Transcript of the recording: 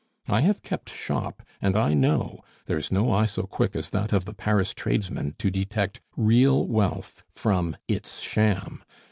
I have kept shop, and I know. There is no eye so quick as that of the Paris tradesman to detect real wealth from its sham.